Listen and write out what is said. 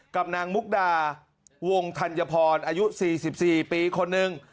กับนางมุกดาวงธัญพรอายุ๔๔ปีคนหนึ่ง